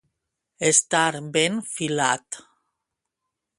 Estar ben filat.